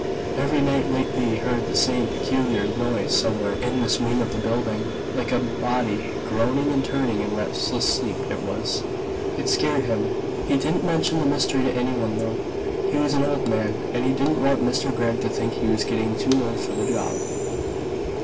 Every night lately he heard the same peculiar noise somewhere in this wing of the building.... Like a body groaning and turning in restless sleep, it was. It scared him. He didn't mention the mystery to anyone, though. He was an old man, and he didn't want Mr. Gregg to think he was getting too old for the job.